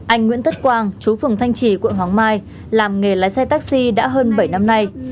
anh nguyễn tất quang chú phường thanh trì quận hoàng mai làm nghề lái xe taxi đã hơn bảy năm nay